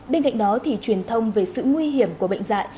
bên cạnh đó thì truyền thông về sự nguy hiểm của bệnh dạy